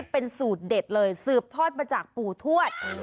เป็นสูตรเด็ดเลยสืบทอดมาจากปู่ทวด